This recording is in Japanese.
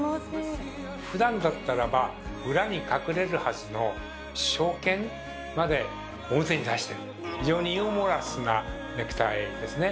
ふだんだったらば裏に隠れるはずの小剣まで表に出してる非常にユーモラスなネクタイですね。